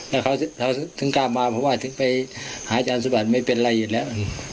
แล้วเขาถึงกล้ามาเพราะว่าถึงไปหาอาจารย์สุบัติไม่เป็นไรอยู่แล้ว